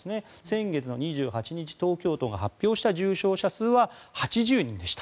先月の２８日、東京都が発表した重症者数は８０人でした。